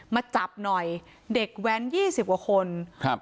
มาจับหน่อยเด็กแว้นยี่สิบกว่าคนครับ